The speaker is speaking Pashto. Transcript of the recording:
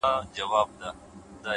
کلونه کیږي بې ځوابه یې بې سواله یې،